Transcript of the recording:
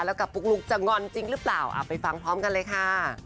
แล้วกับปุ๊กลุ๊กจะงอนจริงหรือเปล่าไปฟังพร้อมกันเลยค่ะ